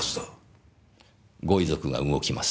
ご遺族が動きます。